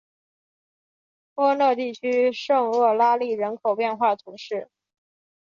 波讷地区圣厄拉利人口变化图示